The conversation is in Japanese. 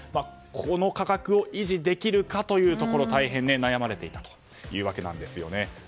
この価格を維持できるかというところ大変悩まれていたというわけなんですよね。